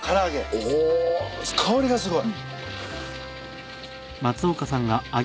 お香りがすごい。